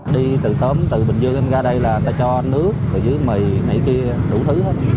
đi từ sớm từ bình dương em ra đây là ta cho nước từ dưới mì mì kia đủ thứ hết